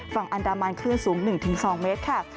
ฝั่งอันดามันคลื่นสูง๑๒เมตรค่ะ